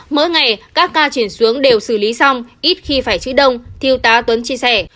mỗi ngày các ca chuyển xuống đều xử lý xong ít khi phải chữ đông thiêu tá tuấn chia sẻ